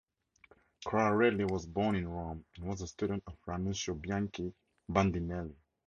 Coarelli was born in Rome and was a student of Ranuccio Bianchi Bandinelli.